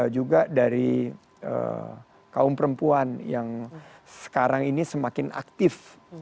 juga dari kaum perempuan yang sekarang ini semakin aktif